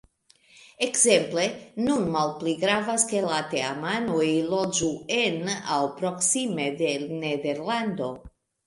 Ekzemple nun malpli gravas, ke la teamanoj loĝu en aŭ proksime de Nederlando.